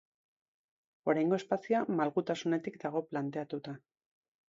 Oraingo espazioa malgutasunetik dago planteatuta.